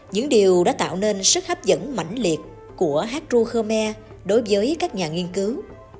những điều đã tạo nên sức hấp dẫn mạnh liệt của hát ru khmer đối với các nhà nghiên cứu